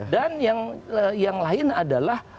dan yang lain adalah